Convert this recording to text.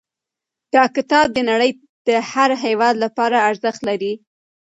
دا کتاب د نړۍ د هر هېواد لپاره ارزښت لري.